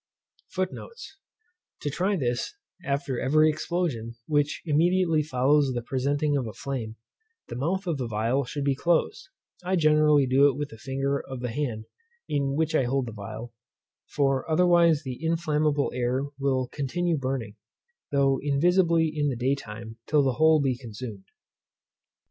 FOOTNOTES: To try this, after every explosion, which immediately follows the presenting of the flame, the mouth of the phial should be closed (I generally do it with a finger of the hand in which I hold the phial) for otherwise the inflammable air will continue burning, though invisibly in the day time, till the whole be consumed.